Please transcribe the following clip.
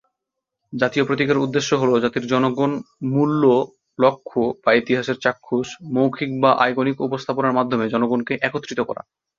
জাতীয় প্রতীকের উদ্দেশ্য হলো জাতির জনগণ, মূল্য, লক্ষ্য বা ইতিহাসের চাক্ষুষ, মৌখিক বা আইকনিক উপস্থাপনার মাধ্যমে জনগণকে একত্রিত করা।